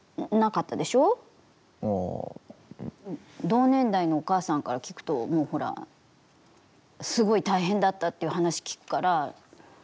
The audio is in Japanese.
同世代のお母さんから聞くともうほら、すごい大変だったっていう話、聞くから。